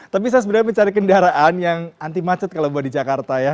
tapi saya sebenarnya mencari kendaraan yang anti macet kalau buat di jakarta ya